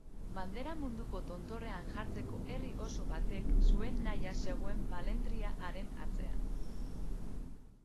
Bandera munduko tontorrean jartzeko herri oso batek zuen nahia zegoen balentria haren atzean.